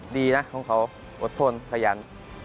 ดีนะของเขาอดทนขยัน